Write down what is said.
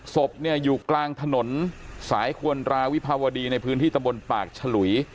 ศพเนี่ยอยู่กลางถนนสายควรราวิภาวดีในพื้นที่ตะบนปากฉลุย